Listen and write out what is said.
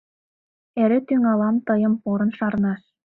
— Эре тӱҥалам тыйым порын шарнаш.